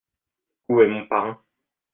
Où est mon parrain ?